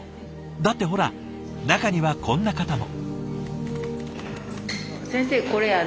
だってほら中にはこんな方も。